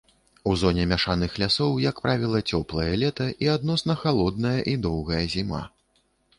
У зоне мяшаных лясоў, як правіла, цёплае лета і адносна халодная і доўгая зіма.